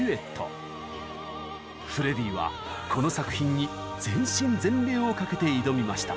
フレディはこの作品に全身全霊を懸けて挑みました。